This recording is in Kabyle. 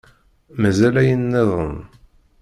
Mazal ayen-nniḍen.